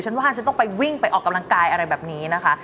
ว่าฉันต้องไปวิ่งไปออกกำลังกายอะไรแบบนี้นะคะ